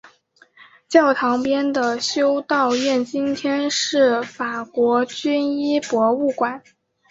教堂边的修道院今天是法国军医博物馆。